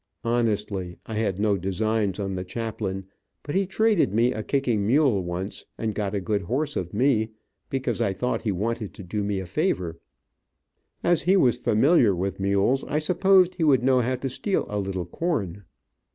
Honestly, I had no designs on the chaplain, but he traded me a kicking mule once, and got a good horse of me, because I thought he wanted to do me a favor. As he was familiar with mules, I supposed he would know how to steal a little corn.